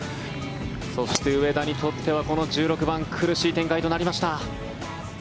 そして、上田にとってはこの１６番苦しい展開となりました。